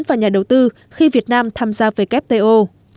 và nhà đầu tư khi việt nam tham gia wto